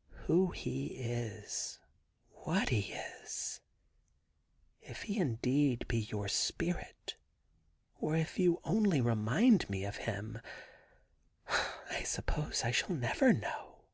' Who he is, what he is ; if he indeed be your spirit, or if you only remind me of him, I suppose I shall never know.